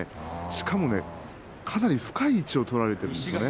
しかもかなり深い位置を取られているんです。